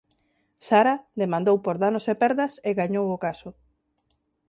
Sarah demandou por danos e perdas e gañou o caso.